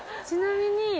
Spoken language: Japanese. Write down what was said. ちなみに。